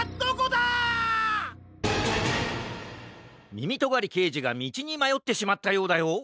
みみとがりけいじがみちにまよってしまったようだよ。